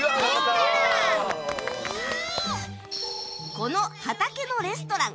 この畑のレストラン